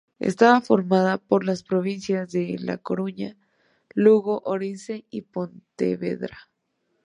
Estaba formada por las provincias de La Coruña, Lugo, Orense y Pontevedra.